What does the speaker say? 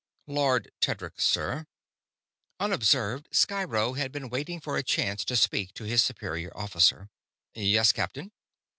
"Lord Tedric, sir." Unobserved, Sciro had been waiting for a chance to speak to his superior officer. "Yes, captain?"